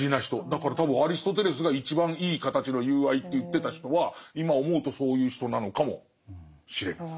だから多分アリストテレスが一番いい形の友愛って言ってた人は今思うとそういう人なのかもしれない。